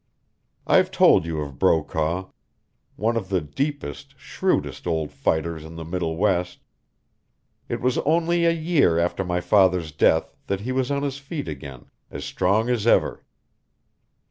I've told you of Brokaw one of the deepest, shrewdest old fighters in the Middle West. It was only a year after my father's death that he was on his feet again, as strong as ever.